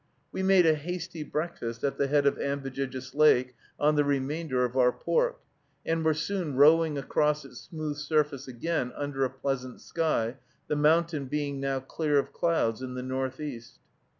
We made a hasty breakfast at the head of Ambejijis Lake on the remainder of our pork, and were soon rowing across its smooth surface again, under a pleasant sky, the mountain being now clear of clouds in the northeast.